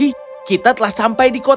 lihatlah ratski kita telah sampai di kota